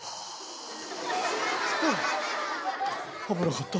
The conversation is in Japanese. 危なかった。